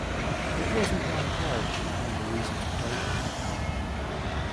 It wasn't that hard to find a reason to doubt him